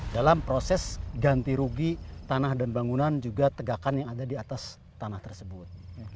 dalam proses ganti rugi tanah dan bangunan juga tegakan yang ada di atas tanah tersebut